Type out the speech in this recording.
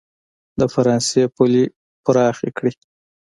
د فرانسې پولې پراخې کړي.